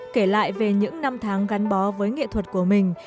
kể lại về những năm tháng gắn bó với nghệ thuật của mình